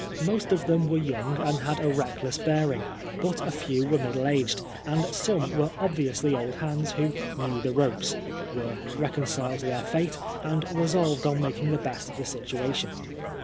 Most of them were young and had a reckless bearing, but a few were middle aged, and some were obviously old hands who "knew the ropes," were re conciled to their &te, and resolved on making the best of the situation.